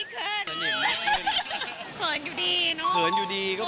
คือเหนืออยู่ดีเนาะ